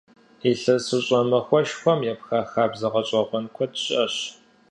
ИлъэсыщӀэ махуэшхуэм епха хабзэ гъэщӀэгъуэн куэд щыӀэщ.